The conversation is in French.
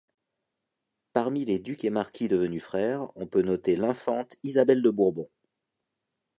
Parmi les ducs et marquis devenus frères, on peut noter l'Infante Isabelle de Bourbon.